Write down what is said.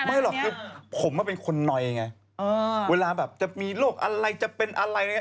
ไม่หรอกคือผมเป็นคนนอยไงเวลาแบบจะมีโรคอะไรจะเป็นอะไรอย่างนี้